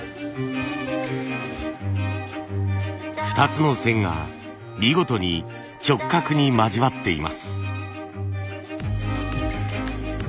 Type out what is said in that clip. ２つの線が見事に直角に交わっています。